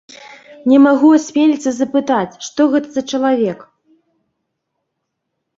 Не магу асмеліцца запытаць, што гэта за чалавек?